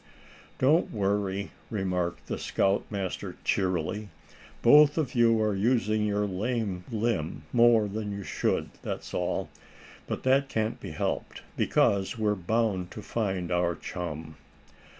"Don't worry," remarked the scoutmaster, cheerily. "Both of you are using your lame limb more than you should, that's all. But that can't be helped, because we're bound to find our chum."